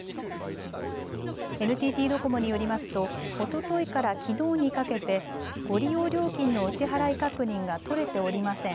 ＮＴＴドコモによりますとおとといからきのうにかけてご利用料金のお支払い確認が取れておりません。